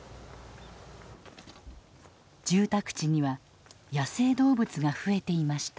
住宅地には野生動物がふえていました。